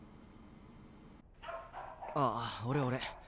あぁ俺俺。